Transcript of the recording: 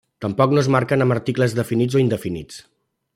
Tampoc no es marquen amb articles definits o indefinits.